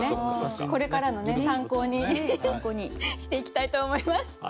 これからの参考にしていきたいと思います。